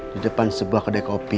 di depan sebuah kedai kopi